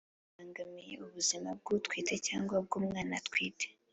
ibangamiye ubuzima bw’utwite cyangwa ubw’umwana atwite.